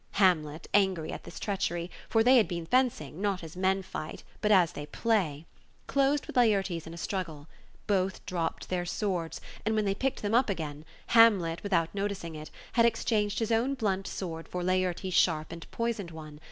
Hamlet, angry at this treachery — for they had been fencing, not as men fight, but as they play — closed with Laertes in a struggle; both dropped their swords, and when they picked them up again, Hamlet, without noticing it, had exchanged his own blunt sword for Laertes' sharp and poisoned one.